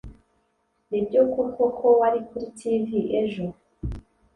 Nibyo koko ko wari kuri TV ejo